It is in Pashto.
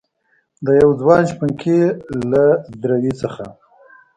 دیوه ځوان شپونکي له دروي څخه